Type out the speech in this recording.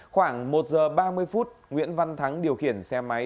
khoảng một giờ ba mươi phút nguyễn văn thắng điều khiển xe máy